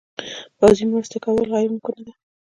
پوځي مرستې کول غیر ممکنه ده.